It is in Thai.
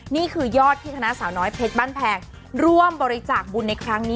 นี่คือยอดที่คณะสาวน้อยเพชรบ้านแพง